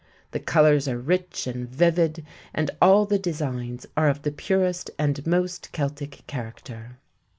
The colors are rich and vivid and all the designs are of the purest and most Celtic character.